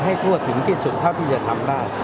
ทั่วถึงที่สุดเท่าที่จะทำได้